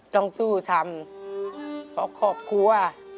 ต้องสู้ทำเพราะครอบครัว